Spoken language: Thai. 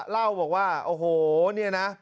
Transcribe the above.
เล่าบอกว่าโอ้โหเนี่ยนะ